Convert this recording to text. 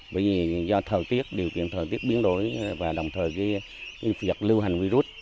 bởi vì do điều kiện thời tiết biến đổi và đồng thời việc lưu hành virus